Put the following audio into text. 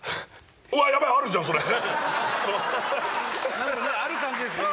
何かねある感じですね